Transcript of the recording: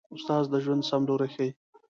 استاد د ژوند سم لوری ښيي.